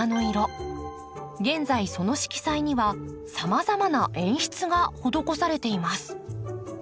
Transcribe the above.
現在その色彩にはさまざまな演出が施されています。